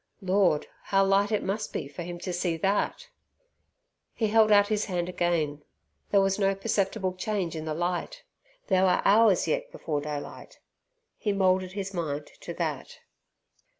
Lord, how light it must be for him to see that! He held out his hand again. There was no perceptible change in the light. There were hours yet before daylight. He moulded his mind to that.